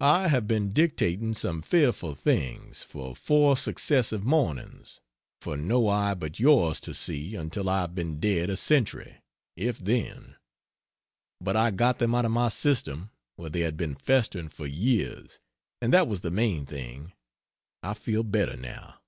I have been dictating some fearful things, for 4 successive mornings for no eye but yours to see until I have been dead a century if then. But I got them out of my system, where they had been festering for years and that was the main thing. I feel better, now.